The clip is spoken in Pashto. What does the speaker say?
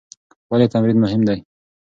ولې تمرین مهم دی؟